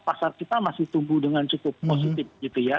pasar kita masih tumbuh dengan cukup positif gitu ya